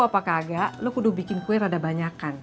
agak agak lo kudu bikin kue rada banyakan